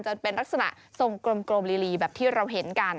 จะเป็นลักษณะทรงกลมลีแบบที่เราเห็นกัน